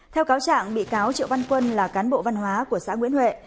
theo cáo trạng bị cáo triệu văn quân là cán bộ văn hóa của xã nguyễn huệ